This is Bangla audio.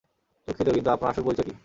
দুঃখিত, কিন্তু আপনার আসল পরিচয় কী?